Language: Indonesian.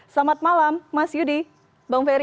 selamat malam mas yudi bang ferry